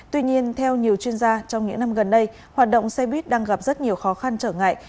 tuy nhiên theo nhiều chuyên gia trong những năm gần đây hoạt động xe buýt đang gặp rất nhiều khó khăn trở ngại